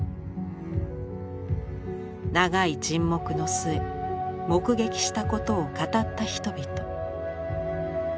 長い沈黙の末目撃したことを語った人々。